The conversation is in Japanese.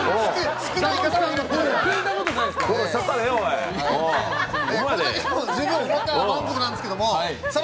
聞いたことないですから。